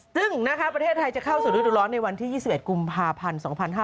ซึ่งประเทศไทยจะเข้าสู่ฤดูร้อนในวันที่๒๑กุมภาพันธ์๒๕๕๙